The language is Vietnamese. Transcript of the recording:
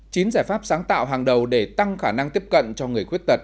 chính giải pháp sáng tạo hàng đầu để tăng khả năng tiếp cận cho người khuyết tật